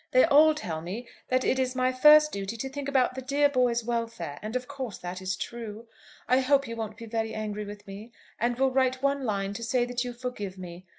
They all tell me that it is my first duty to think about the dear boys' welfare; and of course that is true. I hope you won't be very angry with me, and will write one line to say that you forgive me.